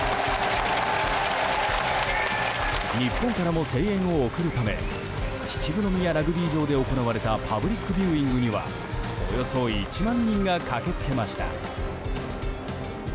日本からも声援を送るため秩父宮ラグビー場で行われたパブリックビューイングにはおよそ１万人が駆け付けました。